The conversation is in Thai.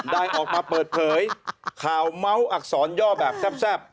ได้ออกมาเปิดเผยข่าวเมาส์อักษรย่อแบบแซ่บ